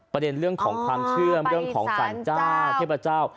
ประเด็นเรื่องของความเชื่อเรื่องของสรรเจ้าเทพเจ้า